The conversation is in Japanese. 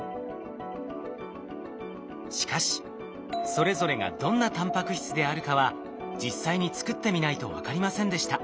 しかしそれぞれがどんなタンパク質であるかは実際に作ってみないと分かりませんでした。